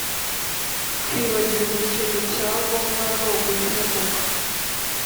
kwibagirwa ikintu cya ngombwa nuguhemuka